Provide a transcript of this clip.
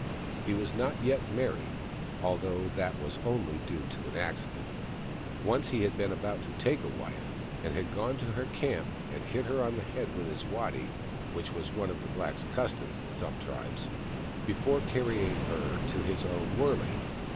He was not yet married, although that was only due to an accident. Once he had been about to take a wife, and had gone to her camp and hit her on the head with a waddy, which was one of the blacks' customs in some tribes, before carrying her to his own wurley.